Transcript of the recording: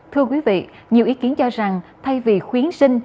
thưa quý vị nhiều ý kiến cho rằng thay vì khuyến sinh